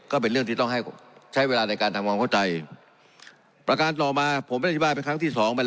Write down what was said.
ก็เป็นเรื่องที่ต้องให้ใช้เวลาในการทำความเข้าใจประการต่อมาผมได้อธิบายเป็นครั้งที่สอง